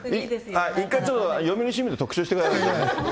一回ちょっと読売新聞で特集してください。